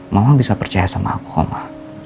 mama bisa percaya sama aku kok ma